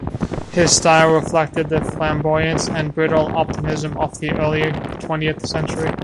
His style reflected the flamboyance and brittle optimism of the early twentieth century.